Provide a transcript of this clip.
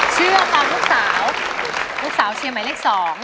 เชื่อตามลูกสาวลูกสาวเชียร์หมายเลข๒